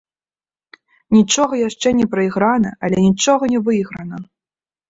Нічога яшчэ не прайграна, але нічога не выйграна.